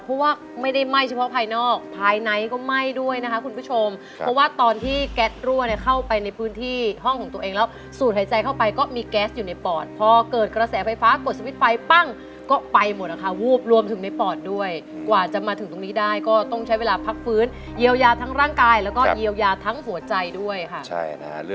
เพราะว่าไม่ได้ไหม้เฉพาะภายนอกภายในก็ไหม้ด้วยนะคะคุณผู้ชมเพราะว่าตอนที่แก๊สรั่วเนี่ยเข้าไปในพื้นที่ห้องของตัวเองแล้วสูดหายใจเข้าไปก็มีแก๊สอยู่ในปอดพอเกิดกระแสไฟฟ้ากดสวิตช์ไฟปั้งก็ไปหมดนะคะวูบรวมถึงในปอดด้วยกว่าจะมาถึงตรงนี้ได้ก็ต้องใช้เวลาพักฟื้นเยียวยาทั้งร่างกายแล้วก็เยียวยาทั้งหัวใจด้วยค่ะ